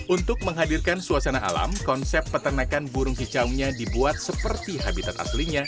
untuk menghadirkan suasana alam konsep peternakan burung kicaunya dibuat seperti habitat aslinya